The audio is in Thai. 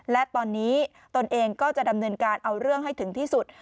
และตอนนี้ตนเองก็จะดำเนินการเอาเรื่องให้ถึงที่สุด